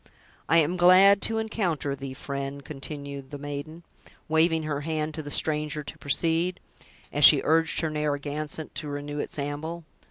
"I am glad to encounter thee, friend," continued the maiden, waving her hand to the stranger to proceed, as she urged her Narragansett to renew its amble.